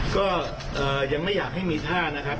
ก็ยังไม่อยากให้มีท่านะครับ